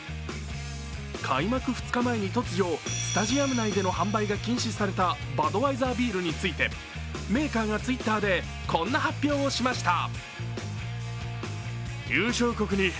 開幕２日前に突如、スタジアム内での販売が禁止されたバドワイザービールについてメーカーがＴｗｉｔｔｅｒでこんな発表をしました。